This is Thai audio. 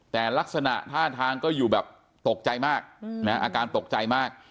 แต่ลักษณะท่าทางก็อยู่แบบตกใจมากอาการตกใจมาก